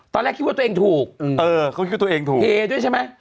ตอนแรกคิดว่าตัวเองถูกเออเขาคิดตัวเองถูกเทด้วยใช่ไหม